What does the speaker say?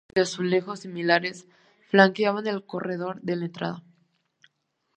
Dos murales de azulejos similares flanqueaban el corredor de entrada.